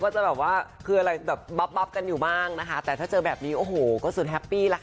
สุดยอดอ่ะ